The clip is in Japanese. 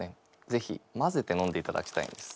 ぜひまぜて飲んでいただきたいんです。